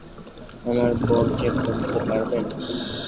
আমার বোনকে ফোন দিতে পারবেন?